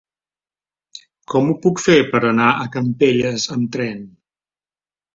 Com ho puc fer per anar a Campelles amb tren?